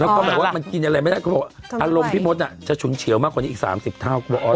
แล้วก็แบบว่ามันกินอะไรไม่ได้เขาบอกอารมณ์พี่มดจะฉุนเฉียวมากกว่านี้อีก๓๐เท่าก็บอก